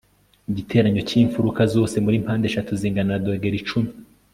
igiteranyo cyimfuruka zose muri mpandeshatu zingana na dogere icumi